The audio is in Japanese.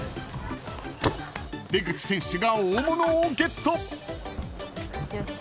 ［出口選手が大物をゲット］